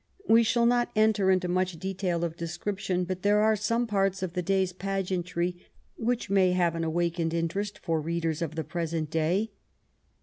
We shall not enter into much detail of description, but there are some parts of the day's pageantry which may have an awakened interest for readers of tte present day.